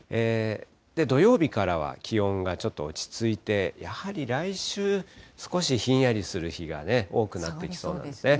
土曜日からは気温がちょっと落ち着いて、やはり来週、少しひんやりする日が多くなってきそうなんですね。